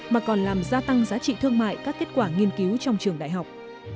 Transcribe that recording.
mà còn làm gia tăng giá trị thương mại các kết quả nghiên cứu trong trường đại học